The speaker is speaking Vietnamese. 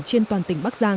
trên toàn tỉnh bắc giang